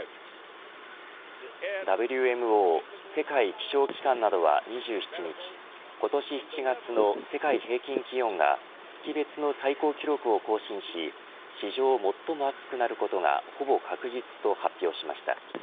ＷＭＯ世界気象機関などは２７日今年７月の世界平均気温が月別の最高記録を更新し史上最も暑くなることがほぼ確実と発表しました。